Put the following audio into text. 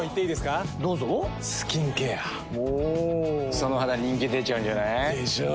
その肌人気出ちゃうんじゃない？でしょう。